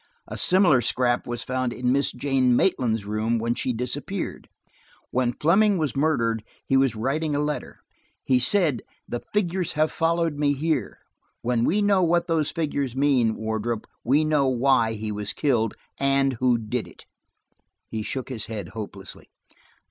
A similar scrap was found in Miss Jane Maitland's room when she disappeared. When Fleming was murdered, he was writing a letter; he said: 'The figures have followed me here.' When we know what those figures mean, Wardrop, we know why he was killed and who did it." He shook his head hopelessly."